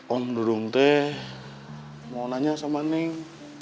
om dudung teh mau nanya sama neng